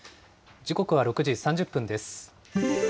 時刻は６時３０分です。